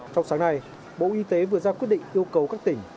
trong sáng nay bộ y tế vừa ra quyết định yêu cầu các tỉnh